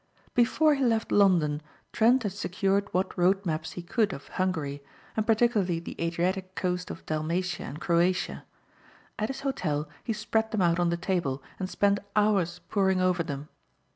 Before he left London Trent had secured what road maps he could of Hungary and particularly the Adriatic coast of Dalmatia and Croatia. At his hotel he spread them out on the table and spent hours poring over them.